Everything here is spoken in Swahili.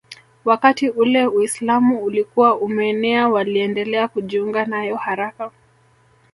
Wakati ule Uislamu ulikuwa umeenea waliendelea kujiunga nayo haraka